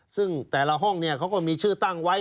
ซึ่งแต่ละห้องเขาก็มีชื่อตั้งไว้